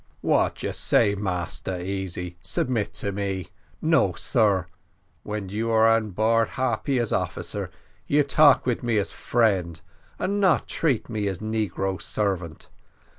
"What you say, Massa Easy submit to me? no, sar, when you are on board Harpy as officer, you talk with me as a friend, and not treat me as negro servant.